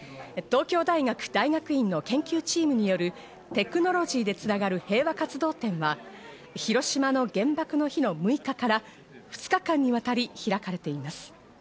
東京大学大学院の研究チームによるテクノロジーでつながる平和活動展は、広島の原爆の日の６日から２日間にわたり開かれています。